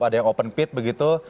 ada yang open pit begitu